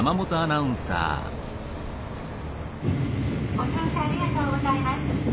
「ご乗車ありがとうございます。